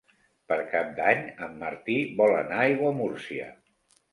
Per Cap d'Any en Martí vol anar a Aiguamúrcia.